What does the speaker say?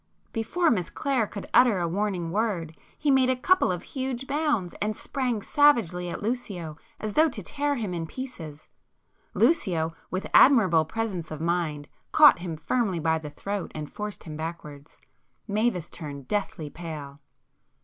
Before Miss Clare could utter a warning word, he made a couple of huge bounds and sprang savagely at Lucio as though to tear him in pieces,—Lucio with admirable presence of mind caught him firmly by the throat and forced him backwards. Mavis turned deathly pale.